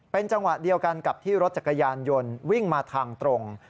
เป็นจังหวะเดียวกันกับที่รถจักรยานยนต์วิ่งมาทางตรง